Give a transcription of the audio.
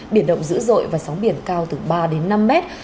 biển động dữ dội và sóng biển cao từ ba đến năm mét